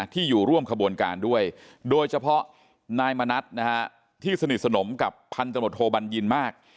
ที่อยู่ร่วมขบวนการด้วยโดยเฉพาะนายมณัฐที่สนิทสนมกับพันธมตโทบัญญินมาก